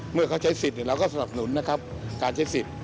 เมื่อเขาใช้สิทธิ์เราก็สนับสนุนนะครับการใช้สิทธิ์